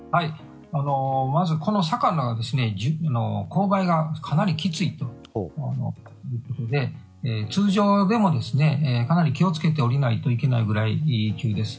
まずこの坂は勾配がかなりきついということで通常でもかなり気をつけて下りないといけないぐらい急です。